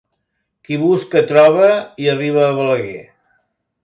Qui busca troba i arriba a Balaguer.